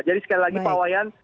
jadi sekali lagi pak wayan